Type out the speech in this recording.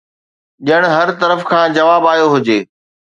ڄڻ هر طرف کان جواب آيو هجي